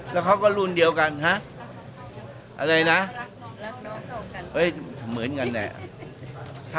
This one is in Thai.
แล้วเขาก็รุ่นเดียวกันอะไรนะเหมือนกันเนี่ย